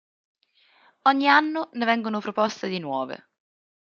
Ogni anno ne vengono proposte di nuove.